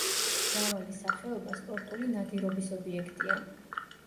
მრავალი სახეობა სპორტული ნადირობის ობიექტია.